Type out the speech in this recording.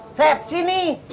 jang chef sini